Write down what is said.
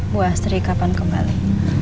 bu astri kapan kembali